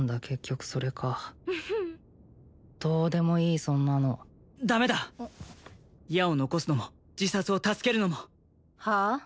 結局それかどうでもいいそんなのダメだ矢を残すのも自殺を助けるのもはあ？